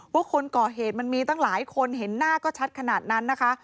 ว่าคนก่อเหตุมันมีตั้งหลายคนเห็นหน้าก็ชัดขนาดนั้นนะคะ